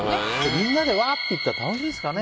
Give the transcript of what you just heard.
みんなで、うわーって行ったら楽しいんですかね。